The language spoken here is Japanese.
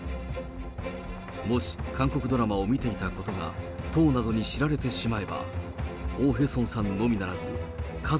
もし韓国ドラマを見ていたことが党などに知られてしまえば、オ・ヘソンさんのみならず、家族